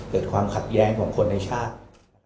เกิดความขัดแย้งของคนในชาติ